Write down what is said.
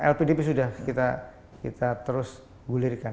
lpdp sudah kita terus gulirkan